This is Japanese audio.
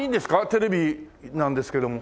テレビなんですけれども。